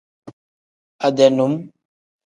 Ade num.